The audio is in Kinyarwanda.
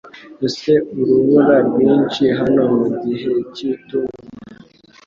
Ese urubura rwinshi hano mu gihe cy'itumba?